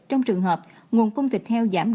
trong trường hợp nguồn cung thịt heo giảm